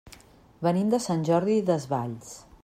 Venim de Sant Jordi Desvalls.